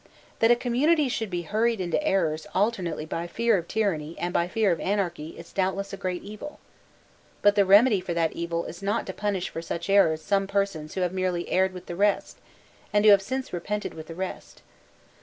That a community should be hurried into errors alternately by fear of tyranny and by fear of anarchy is doubtless a great evil. But the remedy for that evil is not to punish for such errors some persons who have merely erred with the rest, and who have since repented with the rest.